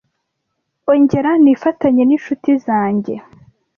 ongera nifatanye n'incuti zanjye. ”